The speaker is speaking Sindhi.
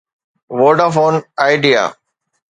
Vodafone Idea